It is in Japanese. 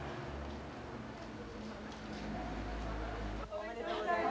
おめでとうございます。